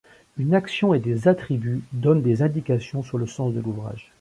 Une action et des attributs donnent des indications sur le sens de l'ouvrage.